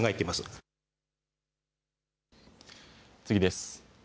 次です。